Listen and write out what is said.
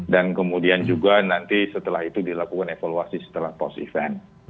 dan kemudian juga nanti setelah itu dilakukan evaluasi setelah post event